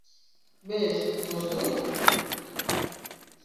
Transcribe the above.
বেশ, প্রস্তুত?